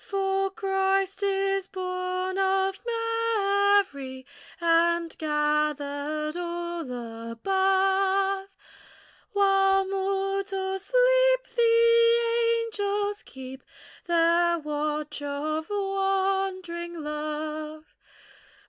For Christ is born of Mary, And, gathered all above, While mortals sleep, the angels keep Their watch of wondering love.